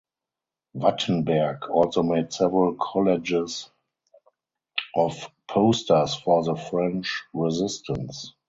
Wattenberg also made several collages of posters for the French Resistance.